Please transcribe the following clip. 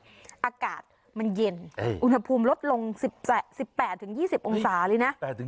อากาศมันเย็นอุณหภูมิลดลง๑๘๒๐องศาเลยนะ